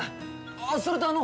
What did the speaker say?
あそれとあの！